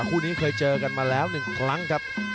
คู่นี้เคยเจอกันมาแล้ว๑ครั้งครับ